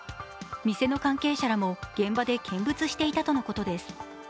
店の関係者らも現場で見物していたとのことです。